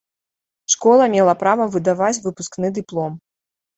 Школа мела права выдаваць выпускны дыплом.